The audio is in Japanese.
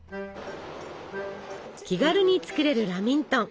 気軽に作れるラミントン。